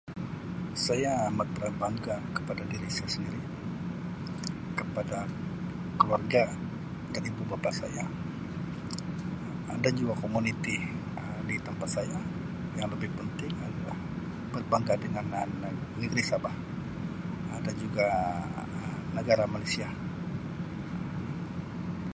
Saya amat berbangga kepada diri saya sendiri kepada keluarga dan ibu bapa saya, dan juga komuniti Um di tempat saya, yang lebih penting adalah berbangga dengan negeri Sabah. Dan juga Um negara Malaysia.